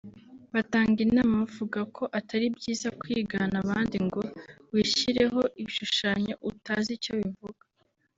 Batanga inama bavuga ko atari byiza kwigana abandi ngo wishyireho ibishushanyo utazi icyo bivuga